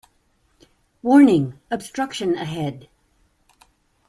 Warning! Obstruction ahead.